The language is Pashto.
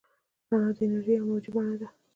رڼا د انرژۍ یوه موجي بڼه ده.